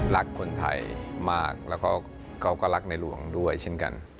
รักคนไทยมากแล้วก็เขาก็รักในหลวงด้วยเช่นกัน